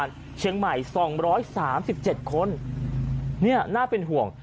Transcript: ผู้บ่นเมื่อวานเชียงใหม่สองร้อยสามสิบเจ็ดคนเนี่ยน่าเป็นห่วง